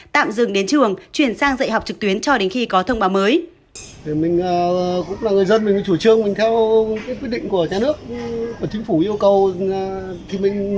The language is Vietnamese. tạm dừng đến trường chuyển sang dạy học trực tuyến cho đến khi có thông báo mới